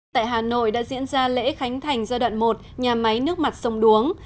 tại hà nội đã diễn ra lễ khánh thành giai đoạn một nhà máy nước mặt sông đuống